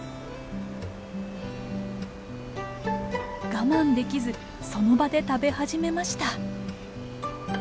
我慢できずその場で食べ始めました。